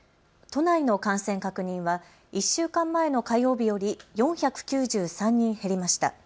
都内の感染確認は１週間前の火曜日より４９３人減りました。